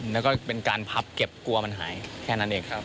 แล้วก็เป็นการพับเก็บกลัวมันหายแค่นั้นเองครับ